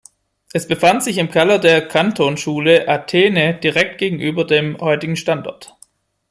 Es befand sich im Keller der Kantonsschule «Athene», direkt gegenüber dem heutigen Standort.